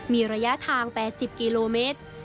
มีระยะทาง๘๐กิโลเมตร